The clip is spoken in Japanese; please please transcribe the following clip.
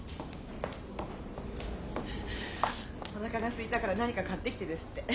・おなかがすいたから何か買ってきてですって。